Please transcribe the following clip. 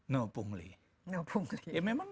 no pungli ya memang